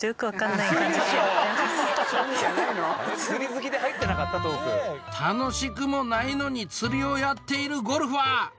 注目はこの後楽しくもないのに釣りをやっているゴルファー